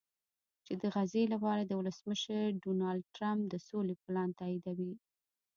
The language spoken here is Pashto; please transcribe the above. چې د غزې لپاره د ولسمشر ډونالډټرمپ د سولې پلان تاییدوي